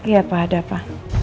ya pak ada apa